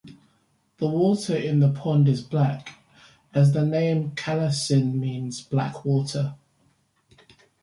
The water in the pond is black, as the name Kalasin means "black water".